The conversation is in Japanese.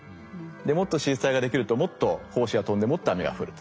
もっと子実体ができるともっと胞子が飛んでもっと雨が降ると。